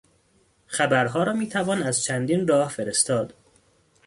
خبرها را میتوان از چندین راه فرستاد.